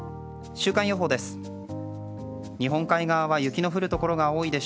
週間予報です。